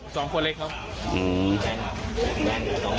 สองขวดเล็กครับ